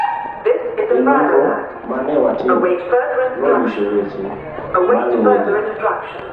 e Nonro ma ne watimo nonyiso weche maluwegi